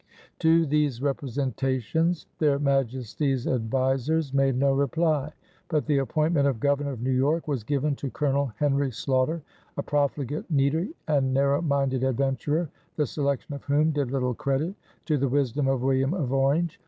To these representations their Majesties' advisers made no reply, but the appointment of Governor of New York was given to Colonel Henry Sloughter, "a profligate, needy, and narrow minded adventurer," the selection of whom did little credit to the wisdom of William of Orange.